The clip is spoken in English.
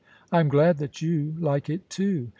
* I am glad that you like it too.